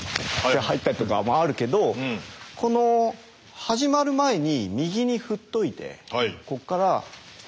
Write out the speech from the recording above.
入ったとかもあるけどこの始まる前に右に振っといてこっから。